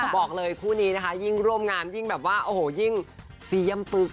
บอกเลยคู่นี้นะคะยิ่งร่วมงานยิ่งแบบว่าโอ้โหยิ่งเซียมปึ๊ก